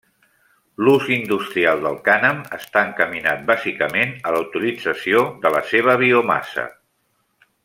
L'ús industrial de cànem està encaminat bàsicament a la utilització de la seva biomassa.